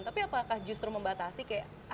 tapi apakah justru membatasi kayak